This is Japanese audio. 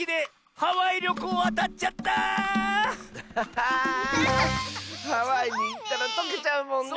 ハワイにいったらとけちゃうもんね！